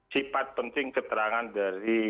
sifat penting keterangan dari